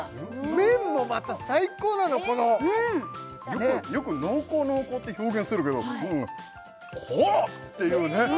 麺もまた最高なのこのねっよく「濃厚濃厚」って表現するけど濃っ！っていうね